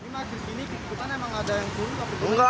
di sini keputusan emang ada yang kurung